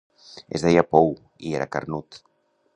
Es deia Pou, i era carnut.